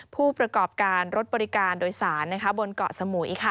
ผู้ประกอบการรถบริการโดยสารบนเกาะสมุย